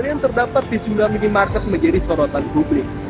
yang terdapat di sunda mini market menjadi sorotan publik